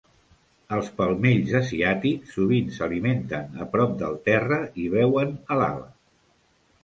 Els palmells asiàtics sovint s'alimenten a prop del terra i beuen a l'ala.